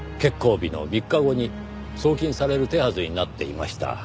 日の３日後に送金される手はずになっていました。